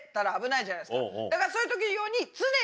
だからそういう時用に。